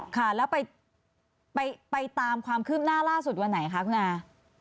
ค่ะแล้วไปตามความคืบหน้าล่าสุดวันไหนคะคุณอา